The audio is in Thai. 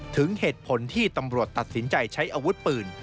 ถึงเหตุผลที่ตำรวจตัดสินใจใช้อาวุธปืน